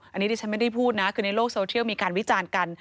อันนี้ที่ฉันไม่ได้พูดนะคือในโลกโซเชียลมีการวิจารณ์กัน